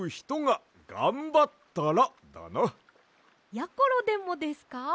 やころでもですか？